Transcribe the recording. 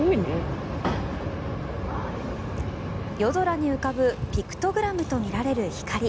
夜空に浮かぶピクトグラムとみられる光。